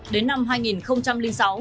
đến năm hai nghìn sáu